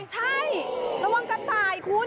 ใช่ระวังกระต่ายคุณ